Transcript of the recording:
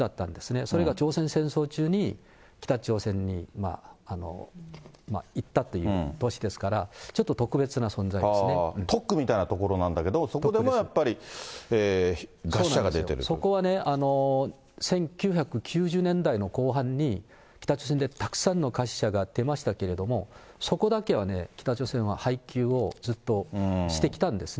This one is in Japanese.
それが朝鮮戦争中に北朝鮮にいったという都市ですから、ちょっと特区みたいな所なんだけど、そこはね、１９９０年代の後半に、北朝鮮でたくさんの餓死者が出ましたけれども、そこだけはね、北朝鮮は配給をずっとしてきたんですね。